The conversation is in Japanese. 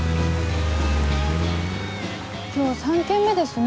今日３件目ですね